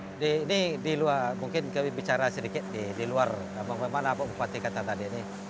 jadi ini di luar mungkin kita bicara sedikit di luar apa apaan apa bupati kata tadi ini